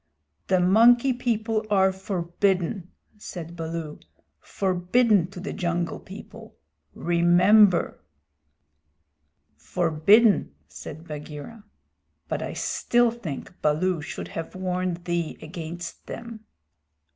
"The Monkey People are forbidden," said Baloo, "forbidden to the Jungle People. Remember." "Forbidden," said Bagheera, "but I still think Baloo should have warned thee against them."